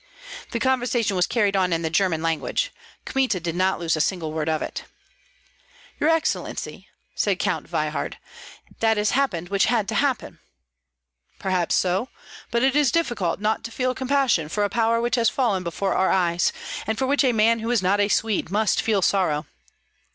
The conversation was carried on in the German language. Kmita did not lose a single word of it. "Your excellency." said Count Veyhard, "that has happened which had to happen." "Perhaps so; but it is difficult not to feel compassion for a power which has fallen before our eyes, and for which a man who is not a Swede must feel sorrow."